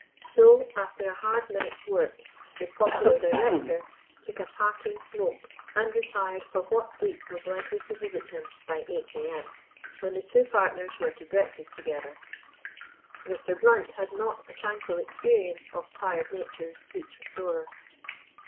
So, after a hard night's work, the "popular director" took a parting smoke and retired for what sleep was likely to visit him by 8 a.m., when the two partners were to breakfast together. Mr. Blount had not a tranquil experience of "tired nature's sweet restorer."